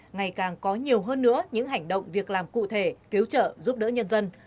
ngày càng có nhiều hơn nữa những hành động việc làm cụ thể cứu trợ giúp đỡ nhân dân